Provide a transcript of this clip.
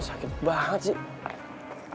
sakit banget sih